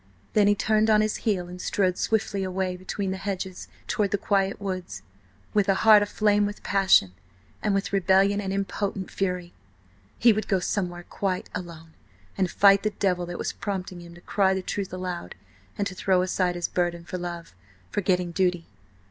Then he turned on his heel and strode swiftly away between the hedges towards the quiet woods, with a heart aflame with passion, and with rebellion and impotent fury. He would go somewhere quite alone and fight the devil that was prompting him to cry the truth aloud and to throw aside his burden for love, forgetting duty.